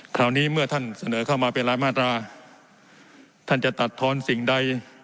คราวนี้เมื่อท่านเสนอเข้ามาเป็นรายมาตราท่านจะตัดทอนสิ่งใด